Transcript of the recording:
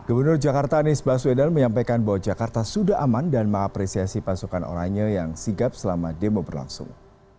gubernur jakarta anies baswedan menyampaikan bahwa jakarta sudah aman dan mengapresiasi pasukan orangnya yang sigap selama demo berlangsung